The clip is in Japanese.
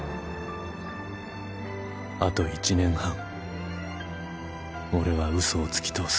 あと１年半俺は嘘をつき通す